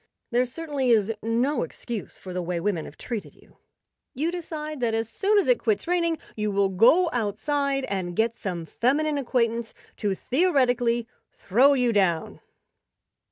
There certainly is no excuse for the way women have treated you. You decide that as soon as it quits raining you will go outside and get some feminine acquaintance to theoretically "throw you down."